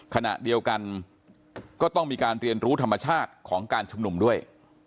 ขณะเดียวกันก็ต้องมีการเรียนรู้ธรรมชาติของการชุมนุมด้วย